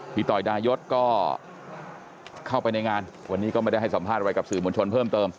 ต่อยดายศก็เข้าไปในงานวันนี้ก็ไม่ได้ให้สัมภาษณ์อะไรกับสื่อมวลชนเพิ่มเติม